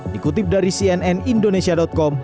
dikutip dari cnn indonesia com